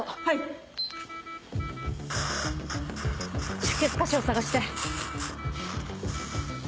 出血箇所を探して。